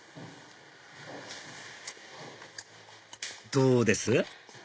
どうです？